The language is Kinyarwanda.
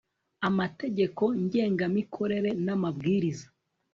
amategeko ngengamikorere n amabwiriza